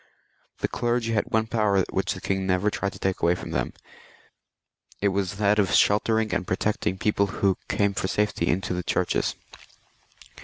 The clergy had one power which the king never tried to take from them, it was that of sheltering and protecting people who came for safety into the churches.